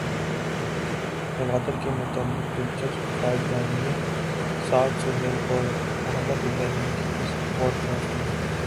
گوادر سے متعلق دلچسپ حقائق جانیے سعد سہیل اور محمد ابراہیم کی اس پوڈکاسٹ میں۔